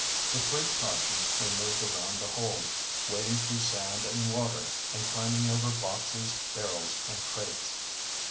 With great caution they moved around the hold, wading through sand and water, and climbing over boxes, barrels, and crates.